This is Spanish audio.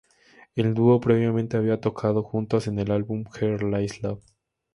El dúo previamente había tocado juntos en el álbum "Here Lies Love".